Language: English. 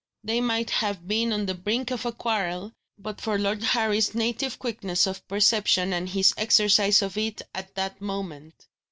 They might have been on the brink of a quarrel, but for Lord Harry's native quickness of perception, and his exercise of it at that moment.